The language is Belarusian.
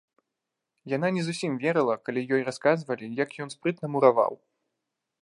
Яна не зусім верыла, калі ёй расказвалі, як ён спрытна мураваў.